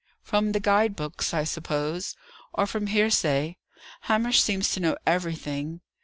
"From the guide books, I suppose; or from hearsay. Hamish seems to know everything.